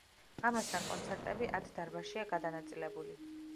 ამასთან კონცერტები ათ დარბაზშია გადანაწილებული.